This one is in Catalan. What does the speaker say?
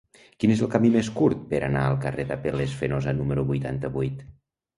Quin és el camí més curt per anar al carrer d'Apel·les Fenosa número vuitanta-vuit?